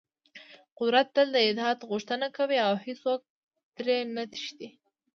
قدرت تل د اطاعت غوښتنه کوي او هېڅوک ترې نه تښتي.